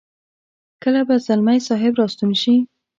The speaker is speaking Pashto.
کله به ځلمی صاحب را ستون شي.